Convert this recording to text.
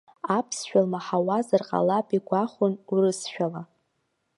Аԥсшәа лмаҳауазар ҟалап игәахәын, урысшәала.